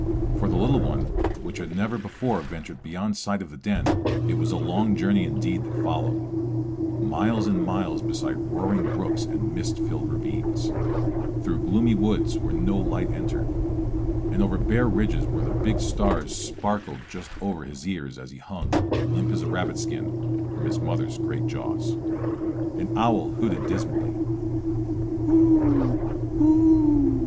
For the little one, which had never before ventured beyond sight of the den, it was a long journey indeed that followed, miles and miles beside roaring brooks and mist filled ravines, through gloomy woods where no light entered, and over bare ridges where the big stars sparkled just over his ears as he hung, limp as a rabbit skin, from his mother's great jaws. An owl hooted dismally, _whoo hooo!